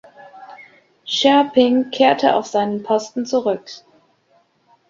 Scherping kehrte auf seinen Posten zurück.